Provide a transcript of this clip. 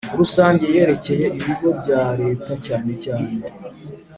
rusange yerekeye Ibigo bya Leta cyane cyane